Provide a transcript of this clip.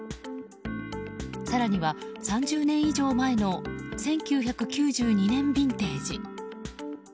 更には、３０年以上前の「１９９２年ビンテージ」。